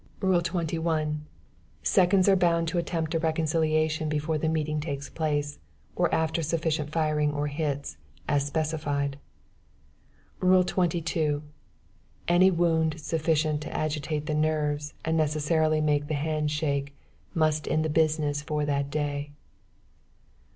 "Rule 21. Seconds are bound to attempt a reconciliation before the meeting takes place, or after sufficient firing or hits, as specified. "Rule 22. Any wound sufficient to agitate the nerves and necessarily make the hands shake, must end the business for that day.